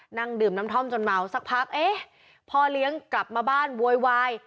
นั่งดื่มน้ำท่อมจนเมาสักพักเอ๊ะพ่อเลี้ยงกลับมาบ้านโวยวาย